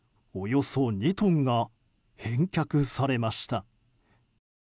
およそ２トンが返却されました。